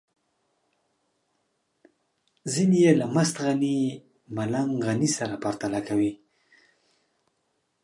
ځينې يې له مست غني ملنګ غني سره پرتله کوي.